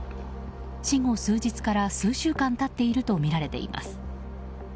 死後数日から数週間経っているとみられています。